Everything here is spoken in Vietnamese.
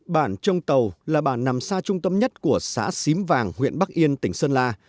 bản trong tàu là bản nằm xa trung tâm nhất của xã xím vàng huyện bắc yên tỉnh sơn la